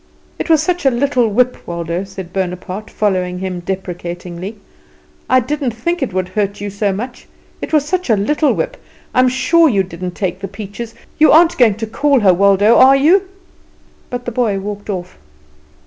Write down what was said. "It was such a little whip, Waldo," said Bonaparte, following him deprecatingly. "I didn't think it would hurt you so much. It was such a little whip. I am sure you didn't take the peaches. You aren't going to call her, Waldo, are you?" But the boy walked off.